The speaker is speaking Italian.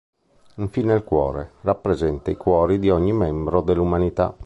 Infine il cuore rappresenta i cuori di ogni membro dell'umanità.